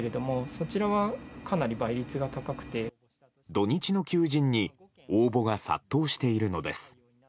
土日の求人に応募が殺到しているのです。